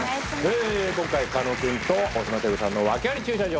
２狩野君と大島てるさんのワケあり駐車場。